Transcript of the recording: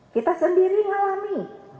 kita sendiri ngalami